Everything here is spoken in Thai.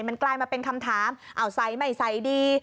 มันกลายมาเป็นคำถามเอาไซส์ใหม่ไซส์ดี